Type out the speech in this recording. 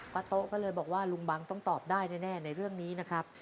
โต๊ะก็เลยบอกว่าลุงบังต้องตอบได้แน่ในเรื่องนี้นะครับ